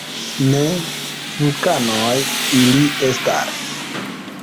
Ne vulkanoj ili estas.